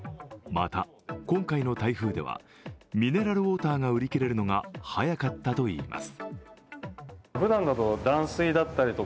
また、今回の台風ではミネラルウォーターが売り切れるのが早かったといいます。